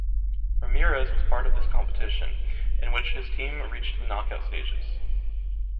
Ramírez was part of this competition, in which his team reached the knockout stages.